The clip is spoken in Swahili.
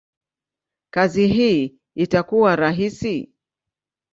kazi hii itakuwa rahisi?